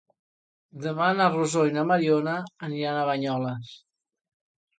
Demà na Rosó i na Mariona aniran a Banyoles.